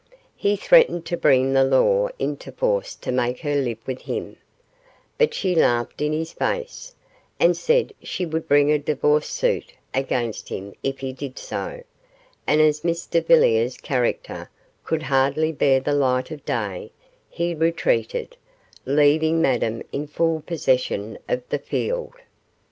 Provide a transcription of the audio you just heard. He threatened to bring the law into force to make her live with him, but she laughed in his face, and said she would bring a divorce suit against him if he did so; and as Mr Villiers' character could hardly bear the light of day, he retreated, leaving Madame in full possession of the field.